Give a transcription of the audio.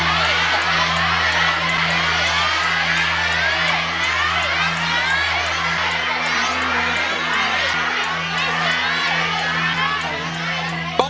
ไม่ใช้